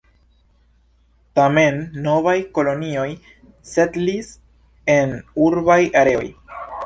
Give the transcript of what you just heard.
Tamen, novaj kolonioj setlis en urbaj areoj.